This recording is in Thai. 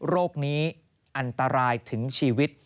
โรคนี้อันตรายถึงชีวิต